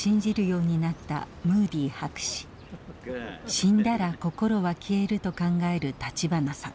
死んだら心は消えると考える立花さん。